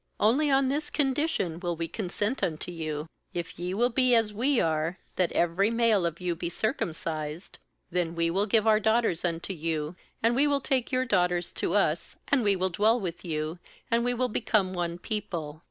^Only on this condition will we consent unto you: if ye will be as we are, that every male of you be circumcised; 16then will we give our daughters unto you, and we will take your daughters to us, and we will dwell with you, and we will become one people.